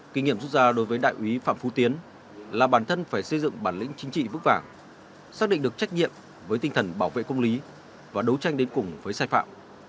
kinh nghiệm rút ra đối với đại úy phạm phú tiến là bản thân phải xây dựng bản lĩnh chính trị vững vàng xác định được trách nhiệm với tinh thần bảo vệ công lý và đấu tranh đến cùng với sai phạm